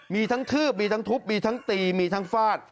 มีทั้งทืบมีทั้งทุบมีทั้งตีมีทั้งฟาด